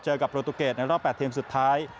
กับโปรตูเกตในรอบ๘ทีมสุดท้าย